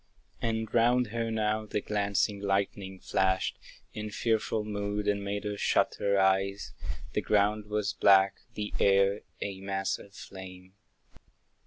And round her now the glancing lightning flashed In fearful mood, and made her shut her eyes; The ground was black, the air a mass of flame.